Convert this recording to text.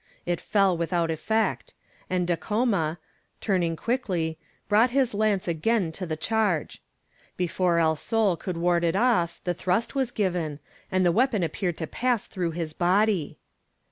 It fell without effect; and Dacoma, turning quickly, brought his lance again to the charge. Before El Sol could ward it off, the thrust was given, and the weapon appeared to pass through his body!